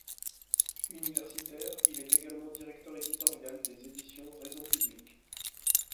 Universitaire, il est également directeur éditorial des Editions Raison publique.